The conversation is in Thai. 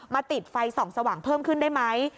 ติดไฟส่องสว่างเพิ่มขึ้นได้ไหม